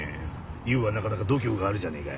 ユーはなかなか度胸があるじゃねえか。